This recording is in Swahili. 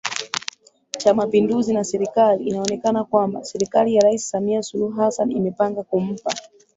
Cha Mapinduzi na serikali inaonekana kwamba serikali ya Rais Samia Suluhu Hassan imepanga kumpa